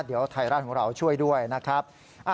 เดี๋ยวไทยรัฐของเราช่วยด้วยนะครับ